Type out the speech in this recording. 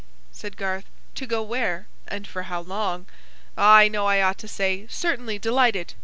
said Garth. "To go where? And for how long? Ah, I know I ought to say: 'Certainly! Delighted!'